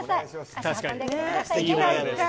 足運んでみてください。